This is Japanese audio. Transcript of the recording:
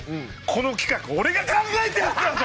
この企画俺が考えたやつやぞ！